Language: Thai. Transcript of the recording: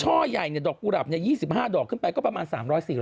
ใหญ่ดอกกุหรับ๒๕ดอกขึ้นไปก็ประมาณ๓๔๐๐